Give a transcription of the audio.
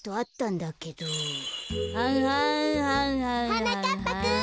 はなかっぱくん！